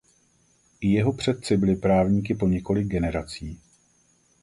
I jeho předci byli právníky po několik generací.